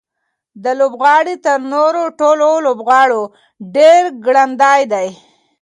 دا لوبغاړی تر نورو ټولو لوبغاړو ډېر ګړندی دی.